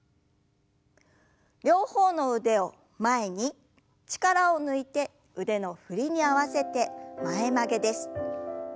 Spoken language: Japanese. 両方の腕を前に力を抜いて腕の振りに合わせて前曲げです。